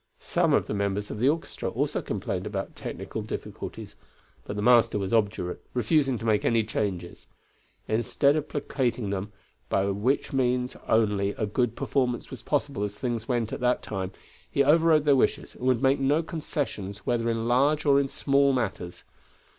Some of the members of the orchestra also complained about technical difficulties, but the master was obdurate, refusing to make any changes. Instead of placating them, by which means only, a good performance was possible as things went at that time, he overrode their wishes and would make no concessions whether in large or in small matters.